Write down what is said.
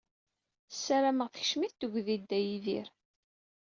Ssarameɣ tekcem-it tegdi Dda Yidir.